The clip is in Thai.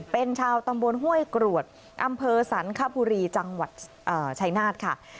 เป็นชาวตำบลห้วยกรวดอำเภอสรรคบุรีจังหวัดชายนาฏค่ะ